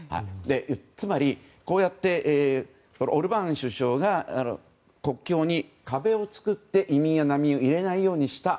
つまり、こうしてオルバーン首相が国境に壁を作って移民や難民を入れないようにした。